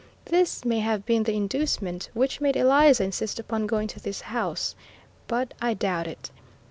This may have been the inducement which made Eliza insist upon going to this house, but I doubt it.